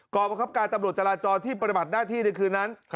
ประคับการตำรวจจราจรที่ปฏิบัติหน้าที่ในคืนนั้น